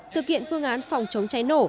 thực hiện phương án phòng chống cháy nổ